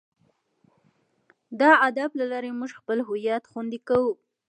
د ادب له لارې موږ خپل هویت خوندي کوو.